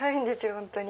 本当に。